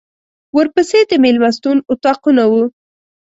ورپسې د مېلمستون اطاقونه وو.